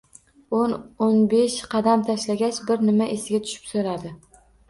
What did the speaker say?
O'n-o'n besh qadam tashlagach bir nima esiga tushib so'radi: